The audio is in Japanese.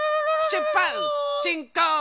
しゅっぱつしんこう！